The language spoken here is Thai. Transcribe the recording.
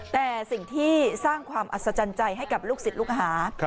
แต่สิ่งที่สร้างความอัศจรรย์ใจให้กับลูกศิษย์ลูกหา